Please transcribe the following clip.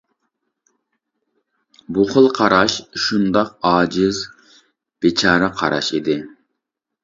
بۇ خىل قاراش شۇنداق ئاجىز بىچارە قاراش ئىدى.